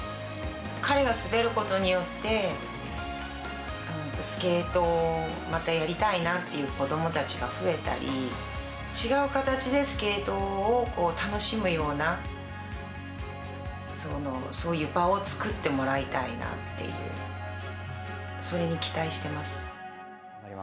彼が滑ることによって、スケートをまたやりたいなっていう子どもたちが増えたり、違う形でスケートを楽しむような、そういう場を作ってもらいたいなっていう、それに期待してます。